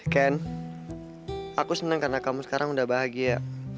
ken aku senang karena kamu sekarang udah bahagia